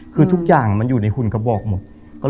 คือทุกอย่างมันอยู่ในหุ่นกระบอกหมด